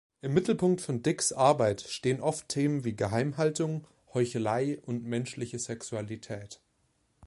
Im Mittelpunkt von Dicks Arbeit stehen oft Themen wie Geheimhaltung, Heuchelei und menschliche Sexualität.